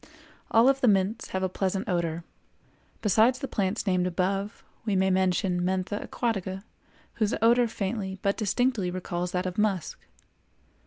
All of the mints have a pleasant odor; besides the plants named above, we may mention Mentha aquatica, whose odor faintly but distinctly recalls that of musk.